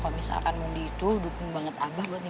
kalau misalkan mondi itu dukung banget abah buat dia